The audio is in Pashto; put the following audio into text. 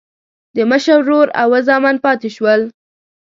د مشر ورور اووه زامن پاتې شول.